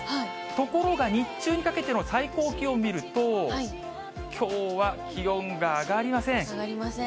ところが、日中にかけての最高気温を見ると、きょうは気温が上が上がりません。